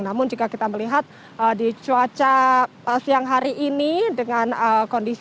namun jika kita melihat di cuaca siang hari ini